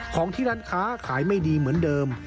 ของที่ร้านค้าขายไม่ดีเหมือนเดิม